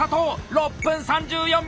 ６分３４秒！